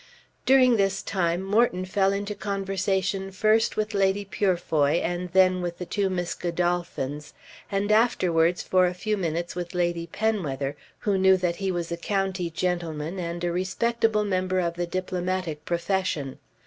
During this time Morton fell into conversation first with Lady Purefoy and then with the two Miss Godolphins, and afterwards for a few minutes with Lady Penwether who knew that he was a county gentleman and a respectable member of the diplomatic profession.